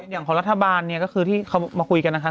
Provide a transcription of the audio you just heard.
อย่างของรัฐบาลเนี่ยก็คือที่เขามาคุยกันนะคะ